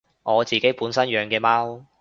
我自己本身養嘅貓